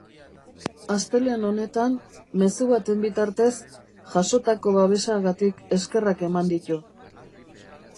Astelehen honetan, mezu baten bitartez, jasotako babesagatik eskerrak eman ditu.